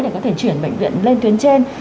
để có thể chuyển bệnh viện lên tuyến trên